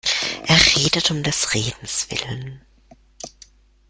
Er redet um des Redens Willen.